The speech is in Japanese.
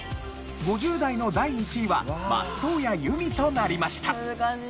５０代の第１位は松任谷由実となりました。